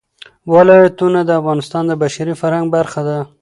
ولایتونه د افغانستان د بشري فرهنګ برخه ده.